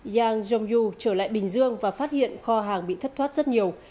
yang zhongyu trở lại bình dương và phát hiện kho hàng bị thất thoát rất nhiều